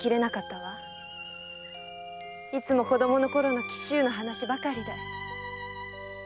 いつも子供のころの紀州の話ばかりで。